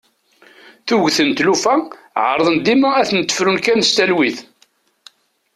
Tuget n tlufa ɛerḍen dima ad tent-frun kan s talwit.